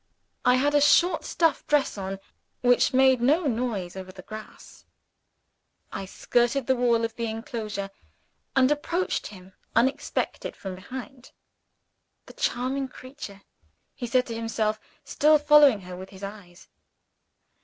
I had a short stuff dress on, which made no noise over the grass. I skirted the wall of the enclosure, and approached him unsuspected, from behind. "The charming creature!" he said to himself, still following her with his eyes.